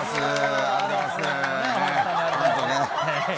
ありがとうございます。